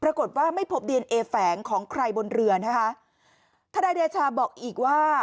ปรากฏว่าไม่พบดีเอนเอแฝงของใครบนเรือนะคะทนายเดชาบอกอีกว่า